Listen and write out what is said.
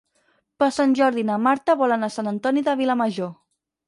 Per Sant Jordi na Marta vol anar a Sant Antoni de Vilamajor.